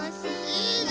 いいね。